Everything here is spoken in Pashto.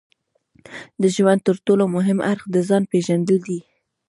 د ژوند ترټولو مهم اړخ د ځان پېژندل دي.